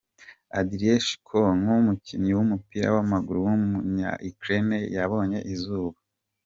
Andriy Shevchenko, umukinnyi w’umupira w’amaguru w’umunya-Ukraine yabonye izuba.